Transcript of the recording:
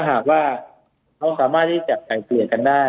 ถ้าหากว่าเขาสามารถได้จับไขเกลียดกันได้